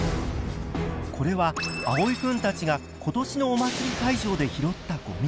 これはあおいくんたちが今年のお祭り会場で拾ったごみ。